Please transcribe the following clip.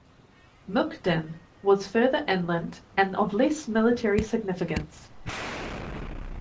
Mukden was further inland and of less military significance.